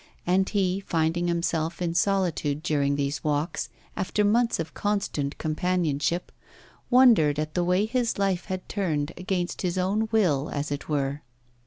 And he, finding himself in solitude during these walks, after months of constant companionship, wondered at the way his life had turned, against his own will, as it were.